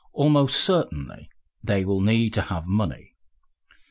Almost certainly they will need to have money.